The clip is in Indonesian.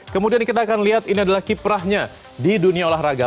kemudian kita akan lihat ini adalah kiprahnya di dunia olahraga